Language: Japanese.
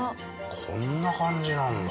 こんな感じなんだ。